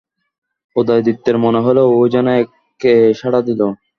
উদয়াদিত্যের মনে হইল, ওই যেন কে সাড়া দিল।